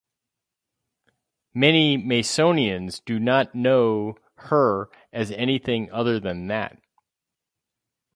Many Masonians do not know her as anything other than that.